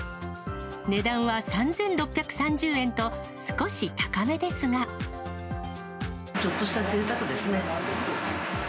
値段は３６３０円と、少し高めでちょっとしたぜいたくですね。